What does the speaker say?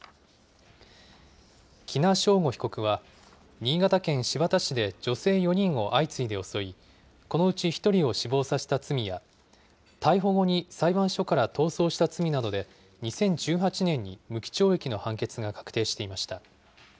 喜納尚吾被告は、新潟県新発田市で女性４人を相次いで襲い、このうち１人を死亡させた罪や、逮捕後に裁判所から逃走した罪などで、２０１８年に無期懲役の判決が確定していました。